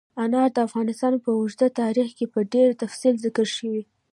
انار د افغانستان په اوږده تاریخ کې په ډېر تفصیل ذکر شوي.